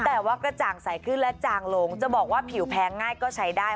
แต่ว่ากระจ่างใสขึ้นและจางลงจะบอกว่าผิวแพงง่ายก็ใช้ได้